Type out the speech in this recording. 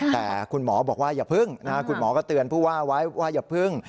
แต่คุณหมอบอกว่าอย่าพึ่งนะคุณหมอก็เตือนผู้ว่าไว้ว่าอย่าพึ่ง